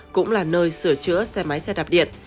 cũng là nơi sửa chữa xe máy xe đạp điện